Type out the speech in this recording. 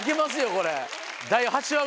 これ。